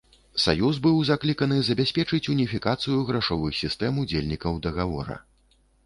Саюз быў закліканы забяспечыць уніфікацыю грашовых сістэм удзельнікаў дагавора.